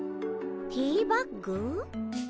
ティーバッグ？